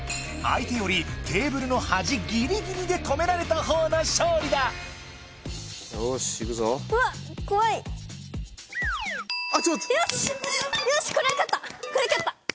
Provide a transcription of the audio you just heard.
相手よりテーブルのはじギリギリで止められたほうの勝利だよしいくぞ。